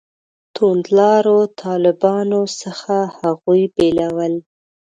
توندلارو طالبانو څخه هغوی بېلول.